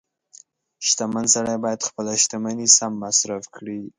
• شتمن سړی باید خپله شتمني سم مصرف کړي.